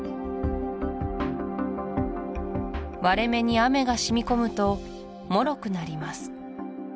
割れ目に雨がしみ込むと脆くなります